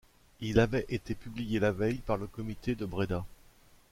Il avait été publié la veille par le Comité de Breda.